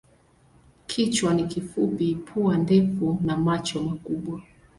Kichwa ni kifupi, pua ndefu na macho makubwa.